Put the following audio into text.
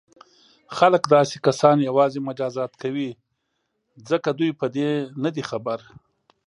خلک داسې کسان یوازې مجازات کوي ځکه دوی په دې نه دي خبر.